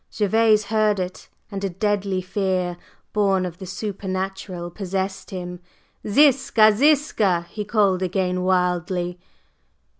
Gervase heard it, and a deadly fear, born of the supernatural, possessed him. "Ziska! Ziska!" he called again wildly.